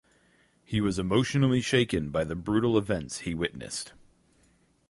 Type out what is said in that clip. He was emotionally shaken by the brutal events he witnessed.